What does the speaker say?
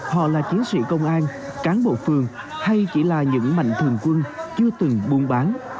họ là chiến sĩ công an cán bộ phường hay chỉ là những mạnh thường quân chưa từng buôn bán